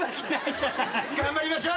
頑張りましょう。